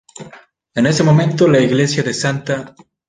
En ese momento la Iglesia de St.